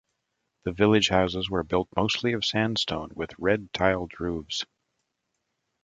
The village houses were built mostly of sandstone with red-tiled roofs.